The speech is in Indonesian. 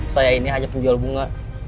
saya ini hanya penjual bunga